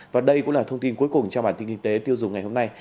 và đây cũng là thông tin cuối cùng trong bản tin kinh tế tiêu dùng ngày hôm nay